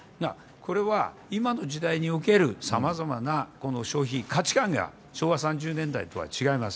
これは今の時代におけるさまざまな消費、価値観が違います